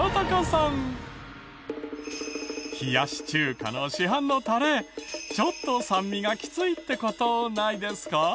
冷やし中華の市販のタレちょっと酸味がきついって事ないですか？